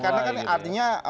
karena kan artinya